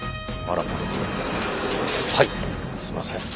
はいすいません。